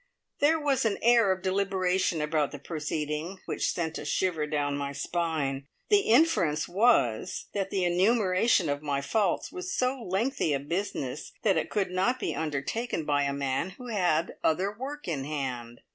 There was an air of deliberation about the proceeding which sent a shiver down my spine. The inference was that the enumeration of my faults was so lengthy a business that it could not be undertaken by a man who had other work in hand.